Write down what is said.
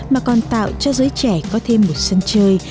mà còn tạo cho giới trẻ có thêm một sân chơi